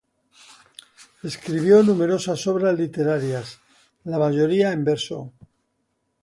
Escribió numerosas obras literarias, la mayoría en verso.